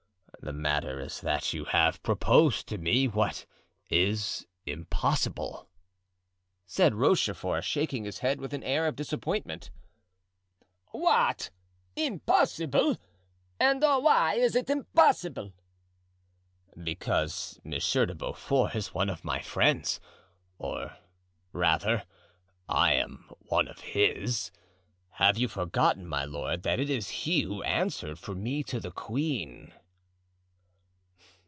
"The matter is that you have proposed to me what is impossible," said Rochefort, shaking his head with an air of disappointment. "What! impossible? And why is it impossible?" "Because Monsieur de Beaufort is one of my friends, or rather, I am one of his. Have you forgotten, my lord, that it is he who answered for me to the queen?"